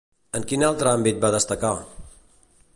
En quin altre àmbit va destacar?